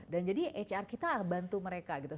dan jadi hr kita bantu mereka gitu